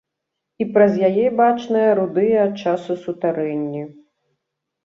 І праз яе бачныя рудыя ад часу сутарэнні.